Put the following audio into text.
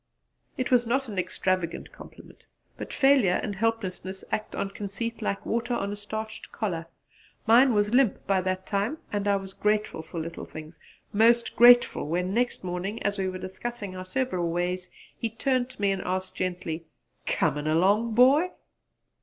It was not an extravagant compliment; but failure and helplessness act on conceit like water on a starched collar: mine was limp by that time, and I was grateful for little things most grateful when next morning, as we were discussing our several ways, he turned to me and asked gently, "Comin' along, Boy?"